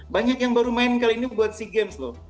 banyak yang baru main kali ini buat sea games loh